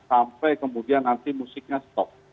sampai kemudian nanti musiknya stop